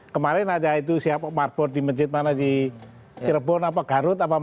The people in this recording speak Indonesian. kemarin aja itu siapa marbor di medjetmana di cirebon atau garut